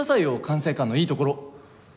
管制官のいいところ。